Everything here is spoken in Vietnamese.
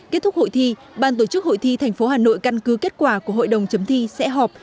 kết thúc hội thi ban tổ chức hội thi thành phố hà nội căn cứ kết quả của hội đồng chấm thi sẽ họp